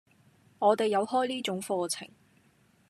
我哋有開呢種課程